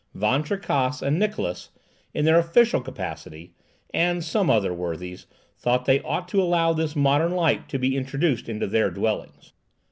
Van Tricasse and Niklausse, in their official capacity, and some other worthies, thought they ought to allow this modern light to be introduced into their dwellings.